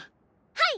はい！